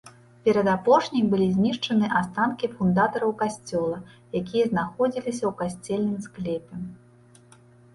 Перад апошняй былі знішчаны астанкі фундатараў касцёла, якія знаходзіліся ў касцельным склепе.